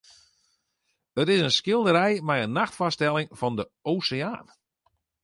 It is in skilderij mei in nachtfoarstelling fan de oseaan.